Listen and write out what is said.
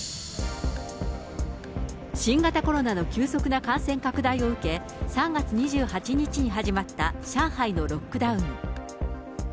新型コロナの急速な感染拡大を受け、３月２８日に始まった上海のロックダウン。